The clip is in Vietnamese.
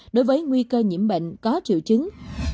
đối với nguy cơ nhiễm bệnh có triệu chứng